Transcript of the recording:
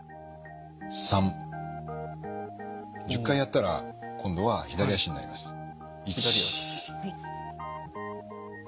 １０回やったら今度は左脚になります。